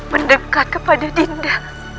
mendekat kepada dinda